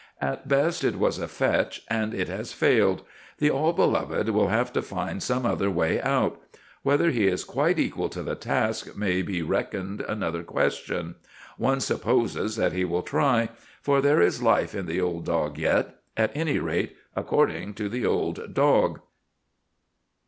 At best it was a fetch, and it has failed. The All Beloved will have to find some other way out. Whether he is quite equal to the task may be reckoned another question. One supposes that he will try; for there is life in the old dog yet, at any rate, according to the old dog.